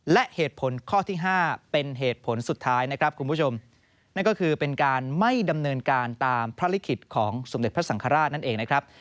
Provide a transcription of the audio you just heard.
และเหตุผลข้อที่๕เป็นเหตุผลสุดท้ายนะครับคุณผู้ชมนั่นก็คือเป็นการไม่ดำเนินการตามพระลิขิตของสมเด็จพระสังฆราชนั่นเองนะครับ